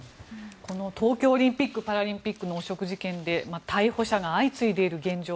東京オリンピック・パラリンピックの汚職事件で逮捕者が相次いでいる現状